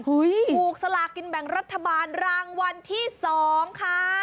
ถูกสลากินแบ่งรัฐบาลรางวัลที่๒ค่ะ